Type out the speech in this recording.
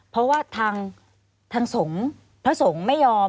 เพราะว่าทางสงฆ์พระสงฆ์ไม่ยอม